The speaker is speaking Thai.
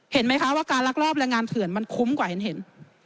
เห็นไหมคะว่าการลักลอบแรงงานเถื่อนมันคุ้มกว่าเห็น